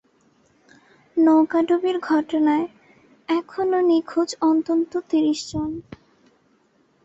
নৌকাডুবির ঘটনায় এখনও নিখোঁজ অন্তত ত্রিশ জন।